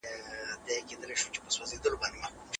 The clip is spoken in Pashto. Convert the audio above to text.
خو د دې کار قیمت ډیر لوړ و.